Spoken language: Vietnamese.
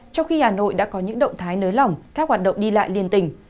trong khi hà nội đã có những động thái nới lỏng các hoạt động đi lại liên tình